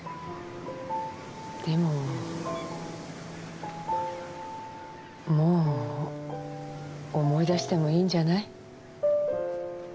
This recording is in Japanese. でももう思い出してもいいんじゃない？